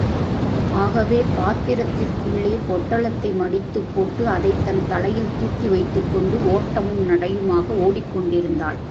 ஆகவே, பாத்திரத்திற்குள்ளே பொட்டலத்தை மடித்துப் போட்டு, அதைத்தன் தலையில் தூக்கி வைத்துக் கொண்டு, ஓட்டமும் நடையுமாக ஒடிக் கொண்டிருந்தாள்.